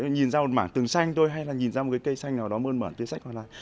nhìn ra một mảng tường xanh thôi hay là nhìn ra một cái cây xanh nào đó mơn mởn tươi sách hoặc là